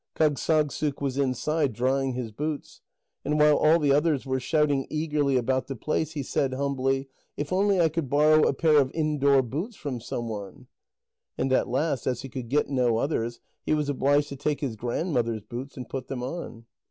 Kâgssagssuk was inside, drying his boots. And while all the others were shouting eagerly about the place, he said humbly: "If only I could borrow a pair of indoor boots from some one." And at last, as he could get no others, he was obliged to take his grandmother's boots and put them on.